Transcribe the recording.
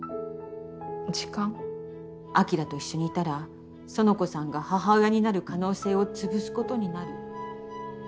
晶と一緒にいたら苑子さんが母親になる可能性をつぶすことになる。